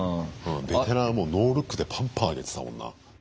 ベテランはもうノールックでパンパンあげてたもんな。